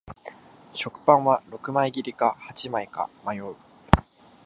食パンは六枚切りか八枚か迷う